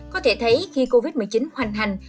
có thể thấy khi covid một mươi chín hoành hành